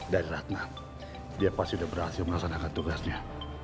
dari ratna dia pasti sudah berhasil melaksanakan tugasnya